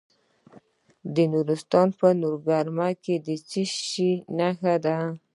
د نورستان په نورګرام کې د څه شي نښې دي؟